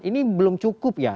ini belum cukup ya